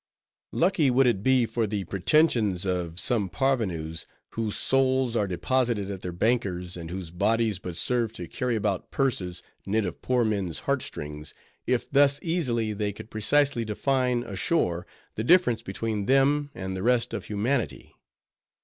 Lucky would it be for the pretensions of some parvenus, whose souls are deposited at their banker's, and whose bodies but serve to carry about purses, knit of poor men's heartstrings, if thus easily they could precisely define, ashore, the difference between them and the rest of humanity.